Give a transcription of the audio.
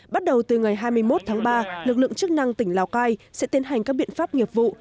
bắt đầu từ ngày hai mươi một tháng ba lực lượng chức năng tỉnh lào cai sẽ tiến hành các biện pháp nghiệp vụ